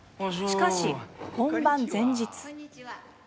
しかし、本番前日。